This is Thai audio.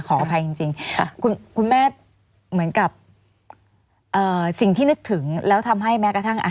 ขออภัยจริงคุณแม่เหมือนกับสิ่งที่นึกถึงแล้วทำให้แม้กระทั่ง